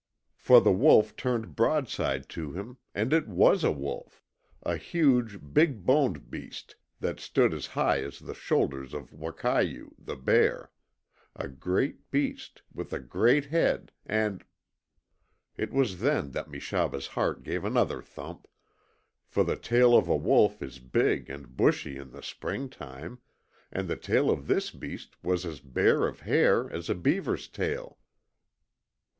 For the wolf turned broadside to him and it WAS a wolf! A huge, big boned beast that stood as high at the shoulders as Wakayoo, the bear; a great beast, with a great head, and It was then that Meshaba's heart gave another thump, for the tail of a wolf is big and bushy in the springtime, and the tail of this beast was as bare of hair as a beaver's tail!